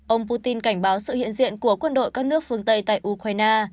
ông putin cảnh báo sự hiện diện của quân đội các nước phương tây tại ukraine